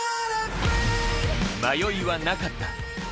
迷いはなかった。